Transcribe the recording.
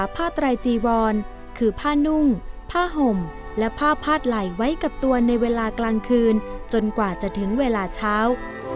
ผ้าห่มและผ้าพาดไหล่ไว้กับตัวในเวลากลางคืนจนกว่าจะถึงเวลาเช้า